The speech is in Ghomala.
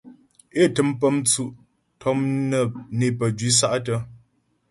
É tə́m pə́ mtsʉ' tɔm né pəjwǐ sa'tə́.